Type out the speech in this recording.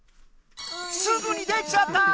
すぐにできちゃった！